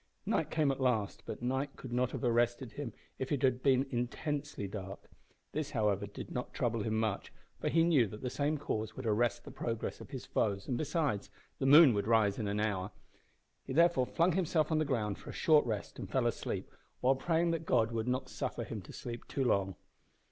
Night came at last but night could not have arrested him if it had not been intensely dark. This, however, did not trouble him much, for he knew that the same cause would arrest the progress of his foes, and besides, the moon would rise in an hour. He therefore flung himself on the ground for a short rest, and fell asleep, while praying that God would not suffer him to sleep too long.